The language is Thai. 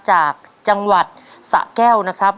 จากจังหวัดสะแก้วนะครับ